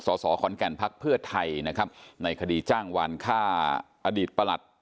สสขอนแก่นพักเพื่อไทยนะครับในคดีจ้างวานฆ่าอดีตประหลัด